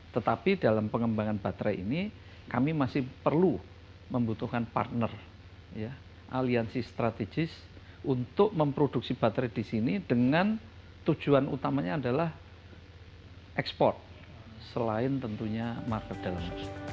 tetapi dalam pengembangan baterai ini kami masih perlu membutuhkan partner aliansi strategis untuk memproduksi baterai di sini dengan tujuan utamanya adalah ekspor selain tentunya market dalam